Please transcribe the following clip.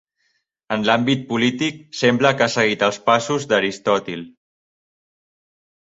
En l'àmbit polític, sembla que ha seguit els passos d'Aristòtil.